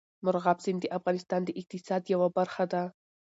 مورغاب سیند د افغانستان د اقتصاد یوه برخه ده.